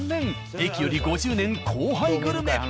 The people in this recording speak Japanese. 駅より５０年後輩グルメ。